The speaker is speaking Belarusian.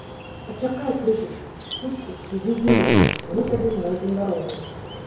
- Пачакай крышачку, хутка ўзыдзе месяц, і мы тады знойдзем дарогу